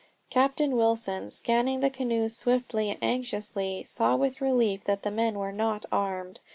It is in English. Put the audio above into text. Captain Wilson, scanning the canoes swiftly and anxiously, saw with relief that the men were not armed.